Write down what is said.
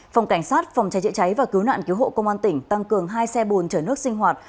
phòng cảnh sát phòng trái trễ cháy và cứu nạn cứu hộ công an tỉnh tăng cường hai xe bồn trở nước sinh hoạt